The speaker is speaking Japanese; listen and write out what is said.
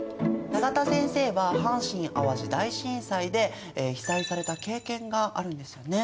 永田先生は阪神・淡路大震災で被災された経験があるんですよね？